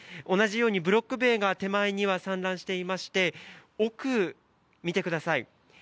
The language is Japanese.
同じようにブロック塀が手前には散乱していまして奥、見てください。